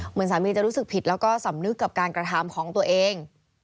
เหมือนสามีจะรู้สึกผิดแล้วก็สำนึกกับการกระทำของตัวเอง